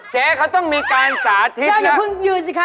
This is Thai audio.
เจ๊เขาต้องมีการสาธิตนะเจ๊เดี๋ยวพึ่งอยู่สิคะ